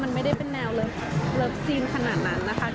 มันไม่ได้เป็นแนวเลิฟซีนขนาดนั้นนะคะ